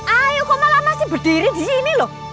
aiyo kamu masih berdiri disini lho